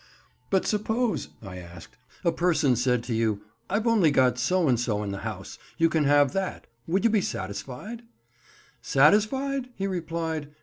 "But suppose," I asked, "a person said to you, 'I've only got so and so in the house—you can have that': would you be satisfied?" "Satisfied?" he replied.